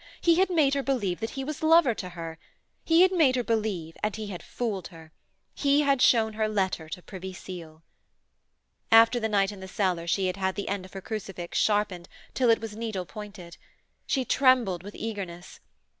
He had made her believe that he was lover to her. He had made her believe, and he had fooled her. He had shown her letter to Privy Seal. After the night in the cellar she had had the end of her crucifix sharpened till it was needle pointed. She trembled with eagerness.